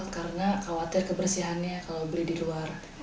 karena khawatir kebersihannya kalau beli di luar